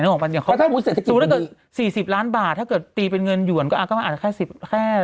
นึกออกป่ะอย่างเขาสมมุติว่าเกิด๔๐ล้านบาทถ้าเกิดตีเป็นเงินหยวนก็อาจจะแค่๑๐แค่